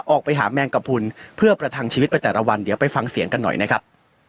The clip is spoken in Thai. ออกไปหาแมงกระพุนเพื่อประทังชีวิตไปแต่ละวันเดี๋ยวไปฟังเสียงกันหน่อยนะครับ